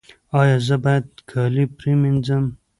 ایا زه باید کالي پریمنځم؟